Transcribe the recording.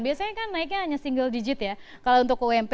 biasanya kan naiknya hanya single digit ya kalau untuk ump